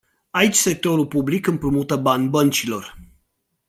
Aici sectorul public împrumută bani băncilor.